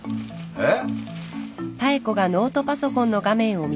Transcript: えっ？